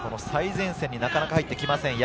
最前線になかなか入ってきます。